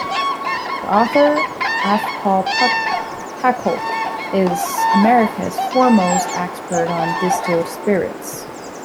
The author, F. Paul Pacult, is America's foremost expert on distilled spirits.